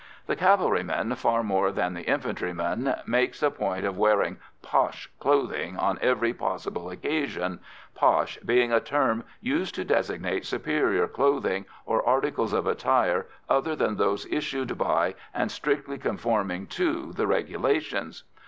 The cavalryman, far more than the infantryman, makes a point of wearing "posh" clothing on every possible occasion "posh" being a term used to designate superior clothing, or articles of attire other than those issued by and strictly conforming to the regulations.